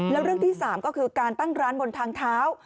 แล้วเรื่องที่๓ก็คือการตั้งร้านบนทางเท้า